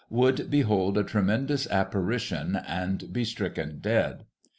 ' would behold a tremendous apparition, and be stricken dead.